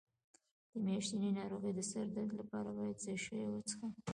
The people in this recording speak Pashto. د میاشتنۍ ناروغۍ د سر درد لپاره باید څه شی وڅښم؟